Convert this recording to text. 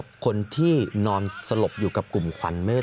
สามารถรู้ได้เลยเหรอคะ